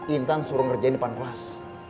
intan suruh ngerjain depan kelas